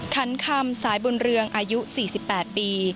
ขันคำสายบุญเรืองอายุ๔๘ปี